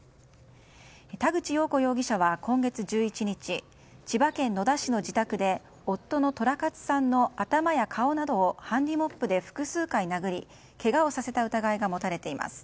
田口よう子容疑者は今月１１日千葉県野田市の自宅で夫の寅勝さんの頭や顔などをハンディーモップで複数回殴りけがをさせた疑いが持たれています。